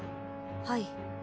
はい。